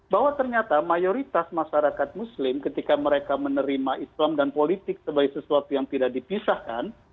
bahwa ternyata mayoritas masyarakat muslim ketika mereka menerima islam dan politik sebagai sesuatu yang tidak dipisahkan